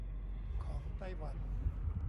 ของไต้หวัน